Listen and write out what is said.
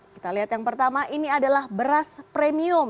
kita lihat yang pertama ini adalah beras premium